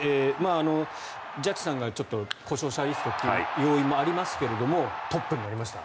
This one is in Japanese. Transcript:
ジャッジさんがちょっと故障者リストにという要因もありますがトップになりました。